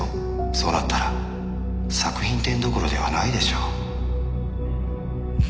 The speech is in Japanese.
そうなったら作品展どころではないでしょう。